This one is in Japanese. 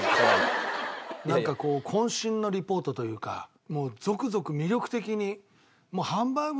なんかこう渾身のリポートというかもうゾクゾク魅力的に。